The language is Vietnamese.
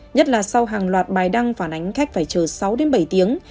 nhất là sau hàng loạt bài đăng phản ánh khách phải chờ sáu đến bảy tiếng